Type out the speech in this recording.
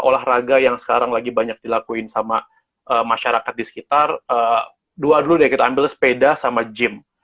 olahraga yang sekarang lagi banyak dilakuin sama masyarakat di sekitar dua dulu deh kita ambil sepeda sama gym